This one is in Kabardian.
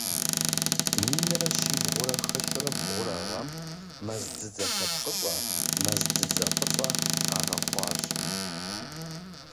Минрэ щибгъурэ хыщӀрэ бгъурэ гъэм мэз дзыдзэ лъэпкъыщӀэ - мэз дзыдзэ фӀыцӀэ - къагъэхъуащ.